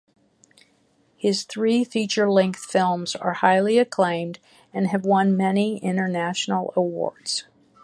His three feature length films are highly acclaimed and have won many international awards.